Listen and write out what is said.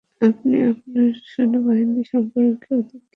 আপনি আপনার সৈন্য বাহিনী সম্পর্কে অধিক জ্ঞাত।